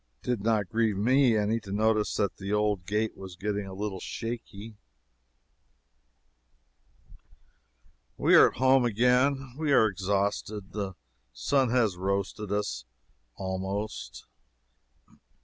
It did not grieve me any to notice that the old gate was getting a little shaky. We are at home again. We are exhausted. The sun has roasted us, almost.